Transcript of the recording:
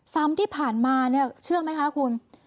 ซ้ำที่ผ่านมาเนี่ยเชื่อไหมคะคุณ